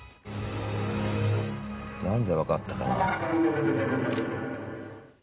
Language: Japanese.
なんで分かったかな。